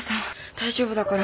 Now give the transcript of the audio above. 大丈夫だから。